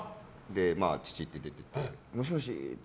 父って出ててもしもし！って。